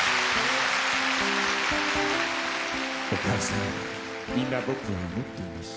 「お母さん今僕は思っています。